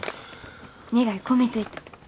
願い込めといた。